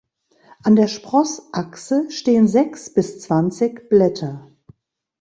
An der Sprossachse stehen sechs bis zwanzig Blätter.